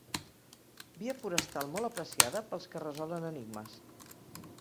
Via forestal molt apreciada pels que resolen enigmes.